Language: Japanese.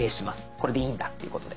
「これでいいんだ」っていうことで。